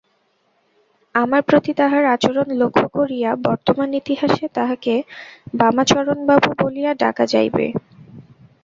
আমার প্রতি তাঁহার আচরণ লক্ষ্য করিয়া বর্তমান ইতিহাসে তাঁহাকে বামাচরণবাবু বলিয়া ডাকা যাইবে।